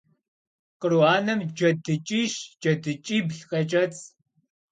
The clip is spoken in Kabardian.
Къру анэм джэдыкӏищ-джэдыкӏибл къекӏэцӏ.